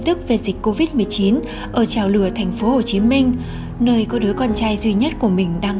tức về dịch covid một mươi chín ở trào lửa thành phố hồ chí minh nơi có đứa con trai duy nhất của mình đang